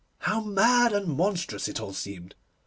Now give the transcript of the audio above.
How mad and monstrous it all seemed!